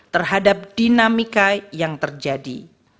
terhadap dinamika yang terjadi